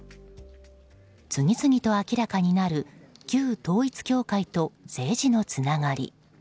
次々と明らかになる旧統一教会と政治のつながり。